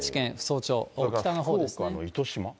福岡の糸島。